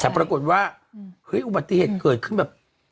แต่ปรากฏว่าเฮ้ยอุบัติเหตุเกิดขึ้นแบบ